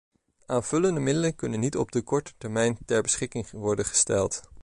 Aanvullende middelen kunnen niet op de korte termijn ter beschikking worden gesteld.